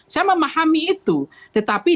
saya memahami itu tetapi